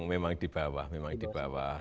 memang di bawah memang di bawah